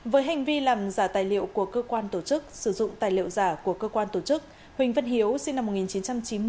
với hành vi làm giả tài liệu của cơ quan tổ chức sử dụng tài liệu giả của cơ quan tổ chức huỳnh văn hiếu sinh năm một nghìn chín trăm chín mươi